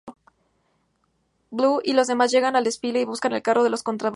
Blu y los demás llegan al desfile y buscan el carro de los contrabandistas.